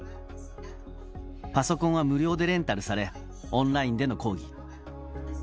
パソコンは無料でレンタルされ、オンラインでの講義。